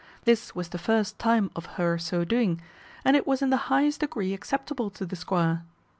This was the first time of her so doing, and it was in the highest degree acceptable to the squire.